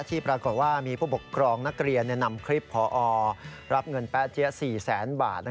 ที่ปรากฏว่ามีผู้ปกครองนักเรียนนำคลิปพอรับเงินแป๊เจี๊ย๔แสนบาท